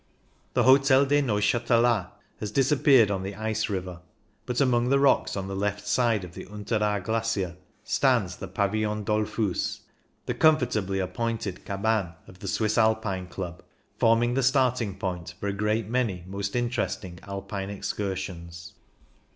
The Hotel des Neuchitelois has disappeared in the ice river, but among the rocks on the left side I40 CYCUNG IN THE ALPS of the Unteraar Glacier stands the 'Pavilion DoUfus/ the comfortably appointed cabane of the Swiss Alpine Club, forming the starting point for a great many most interesting Alpine excursions."